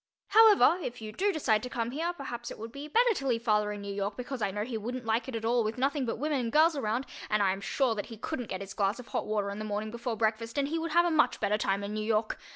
However, if you do decide to come here, perhaps it would be better to leave father in New York because I know he wouldn't like it at all with nothing but women and girls around and I am sure that he couldn't get his glass of hot water in the morning before breakfast and he would have a much better time in New York.